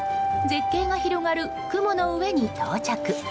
絶景が広がる雲の上に到着。